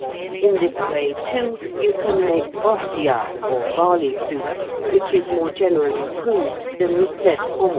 In this way, too, you can make ordiat, or barley soup, which is more generally approved than the said fromentée."